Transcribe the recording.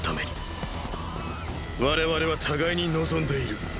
我々は互いに望んでいる。